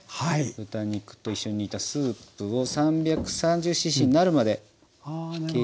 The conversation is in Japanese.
豚肉と一緒に煮たスープを３３０ｃｃになるまで計量していきます。